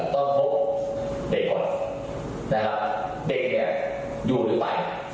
เด็กเนี่ยอยู่หรือไป